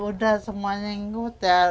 udah semuanya ngikut ya